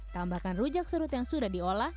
tambahkan rujak serut yang sudah diolah